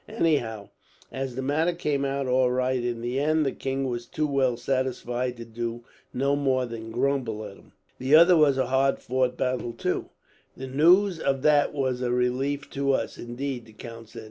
Anyhow, as the matter came out all right in the end, the king was too well satisfied to do no more than grumble at him. "The other was a hard fought battle, too." "The news of that was a relief to us, indeed," the count said.